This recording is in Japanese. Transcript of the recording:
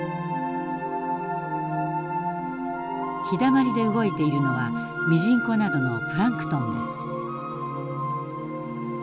日だまりで動いているのはミジンコなどのプランクトンです。